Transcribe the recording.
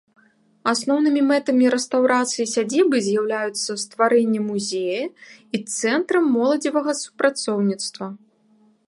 Асноўнымі мэтамі рэстаўрацыі сядзібы з'яўляюцца стварэнне музея і цэнтра моладзевага супрацоўніцтва.